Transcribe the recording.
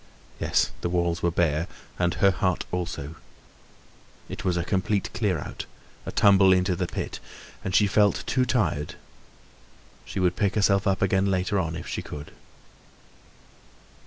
Yes, the walls were bare, and her heart also; it was a complete clear out, a tumble into the pit. And she felt too tired; she would pick herself up again later on if she could.